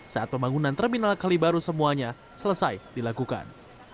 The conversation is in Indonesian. saat pembangunan terminal kali baru semuanya selesai dilakukan